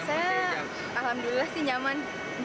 saya alhamdulillah sih nyaman